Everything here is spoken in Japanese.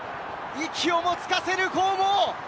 息をもつかせぬ攻防。